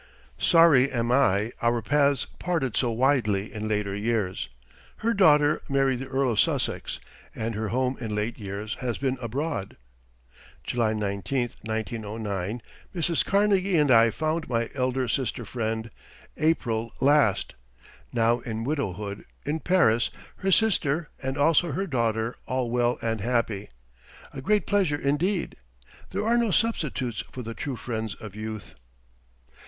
Sorry am I our paths parted so widely in later years. Her daughter married the Earl of Sussex and her home in late years has been abroad. [July 19, 1909, Mrs. Carnegie and I found my elder sister friend April last, now in widowhood, in Paris, her sister and also her daughter all well and happy. A great pleasure, indeed. There are no substitutes for the true friends of youth.